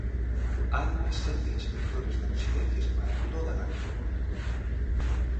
Hai sete inspectores de residencias para toda Galicia.